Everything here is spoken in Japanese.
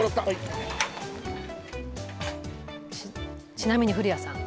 ちなみに古谷さん